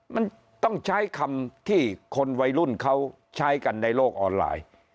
มันต้องใช้คำที่คนวัยรุ่นเขาใช้กันในโลกออนไลน์